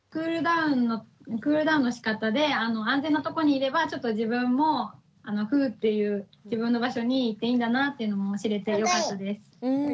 クールダウンのしかたで安全なとこにいればちょっと自分もふっていう自分の場所に行っていいんだなっていうのも知れてよかったです。